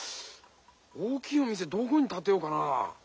大きいお店どこにたてようかな？